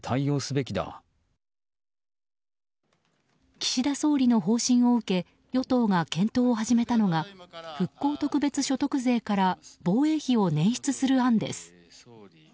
岸田総理の方針を受け与党が検討を始めたのが復興特別所得税から防衛費をねん出する案です。